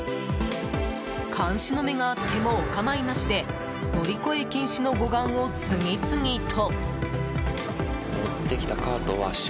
監視の目があってもお構いなしで乗り越え禁止の護岸を次々と。